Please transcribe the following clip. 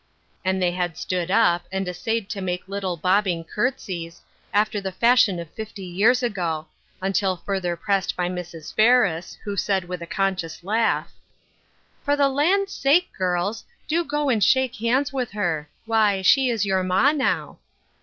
And they had stood up, and essayed to make little bobbing courtesies, after the fashion of fifty years ago, until futher pressed by Mitj. Ferrisi who had said, with a conscious laugh: 296 Ruth Ershine's Crosses, " For the land's sake, girls ! do go and shake hands with her. Why, she is your ma now."